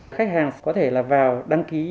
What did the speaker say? khách hàng có thể là vào đăng ký